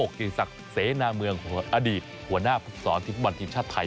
คือศักดิ์เสนามืองอดีตหัวหน้าภูมิสอนทีมชาติไทย